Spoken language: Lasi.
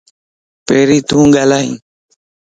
پھرين تون ڳالھائي